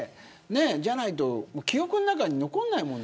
じゃないと記憶の中に残らないもんね。